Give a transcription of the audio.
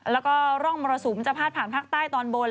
แล้วก็ร่องมรสุมจะพาดผ่านภาคใต้ตอนบน